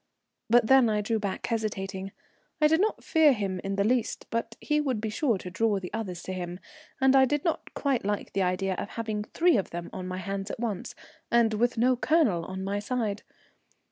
But then I drew back hesitating. I did not fear him in the least, but he would be sure to draw the others to him, and I did not quite like the idea of having three of them on my hands at once, and with no Colonel on my side.